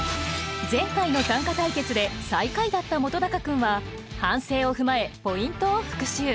前回の短歌対決で最下位だった本君は反省を踏まえポイントを復習。